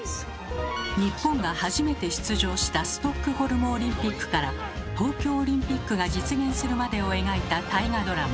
日本が初めて出場したストックホルムオリンピックから東京オリンピックが実現するまでを描いた大河ドラマ